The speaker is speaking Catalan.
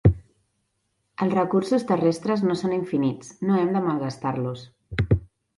Els recursos terrestres no són infinits, no hem de malgastar-los.